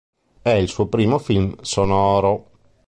È il suo primo film sonoro.